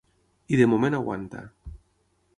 I de moment aguanta.